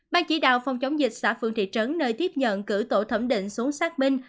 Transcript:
ban chỉ đạo phòng chống dịch xã phương thị trấn nơi tiếp nhận cử tổ thẩm định xuống xác minh